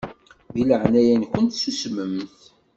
Di leɛnaya-nkent susmemt.